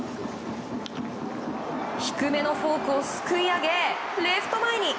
低めのフォークをすくい上げレフト前に。